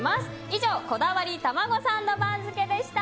以上こだわりたまごサンド番付でした。